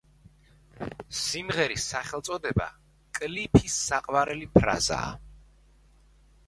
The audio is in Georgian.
სიმღერის სახელწოდება კლიფის საყვარელი ფრაზაა.